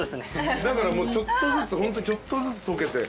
だからちょっとずつホントにちょっとずつ溶けて。